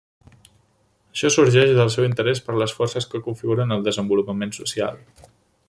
Això sorgeix del seu interès per les forces que configuren el desenvolupament social.